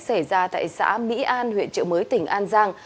xảy ra tại xã mỹ an huyện trợ mới tỉnh an giang